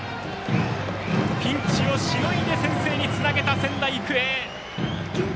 ピンチをしのいで先制につなげた仙台育英。